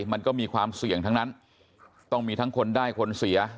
มันก็มีความเสี่ยงทั้งนั้นต้องมีทั้งคนได้คนเสีย